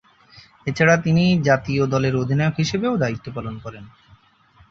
এছাড়া তিনি জাতীয় দলের অধিনায়ক হিসাবেও দায়িত্ব পালন করেন।